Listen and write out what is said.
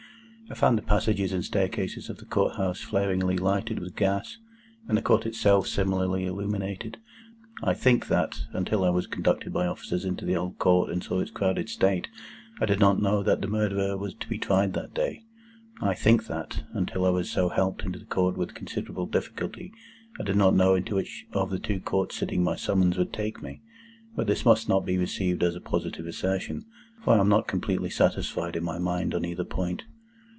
I found the passages and staircases of the Court House flaringly lighted with gas, and the Court itself similarly illuminated. I think that, until I was conducted by officers into the Old Court and saw its crowded state, I did not know that the Murderer was to be tried that day. I think that, until I was so helped into the Old Court with considerable difficulty, I did not know into which of the two Courts sitting my summons would take me. But this must not be received as a positive assertion, for I am not completely satisfied in my mind on either point.